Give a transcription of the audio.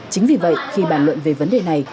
chính vì vậy khi bàn luận về vấn đề này